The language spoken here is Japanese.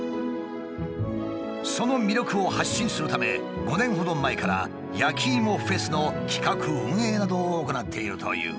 その魅力を発信するため５年ほど前から焼きイモフェスの企画・運営などを行っているという。